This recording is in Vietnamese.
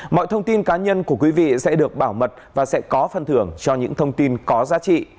mọi thông tin cá nhân của quý vị sẽ được bảo mật và sẽ có phần thưởng cho những thông tin có giá trị